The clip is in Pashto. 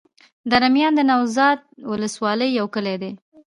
دره میان د نوزاد ولسوالي يو کلی دی.